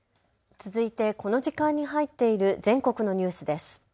続いてこの時間に入っている全国のニュースです。